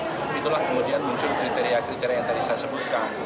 dan setelah itu itulah kemudian muncul kriteria kriteria yang tadi saya sebutkan